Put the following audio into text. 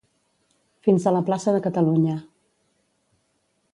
Fins a la plaça de Catalunya.